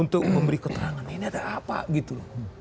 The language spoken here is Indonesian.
untuk memberi keterangan ini ada apa gitu loh